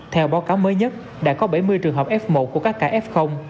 theo báo cáo mới nhất đã có bảy mươi trường hợp f một của các ca f